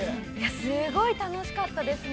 ◆すごい楽しかったですね。